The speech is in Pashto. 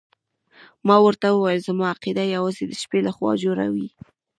ما ورته وویل زما عقیده یوازې د شپې لخوا جوړه وي.